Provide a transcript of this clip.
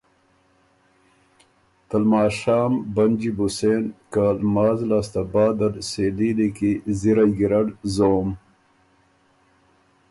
ته لماشام بنجی بُو سېن که لماز لاسته بعدل سېلي لیکی زِرئ ګیرډ زوم“